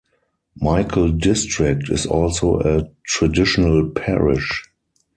Michael District is also a traditional parish.